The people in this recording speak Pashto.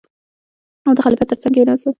او د خلیفه تر څنګ کېناست.